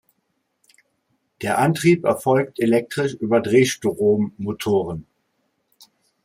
Der Antrieb erfolgt elektrisch über Drehstrommotoren.